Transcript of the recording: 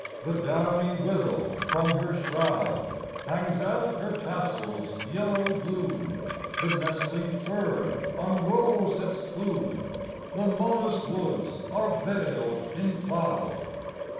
The downy willow from her shroud Hangs out her tassels' yellow bloom, The nestling fern unrolls its plume, The modest woods are veiled in cloud.